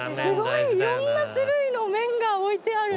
いろんな種類の麺が置いてある！